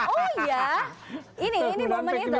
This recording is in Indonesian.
oh iya ini momen itu